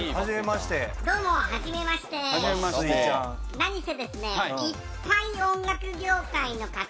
何せですね。